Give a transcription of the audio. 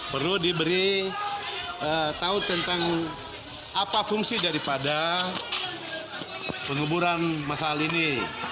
perlu diberi tahu tentang apa fungsi daripada pengeburan masal ini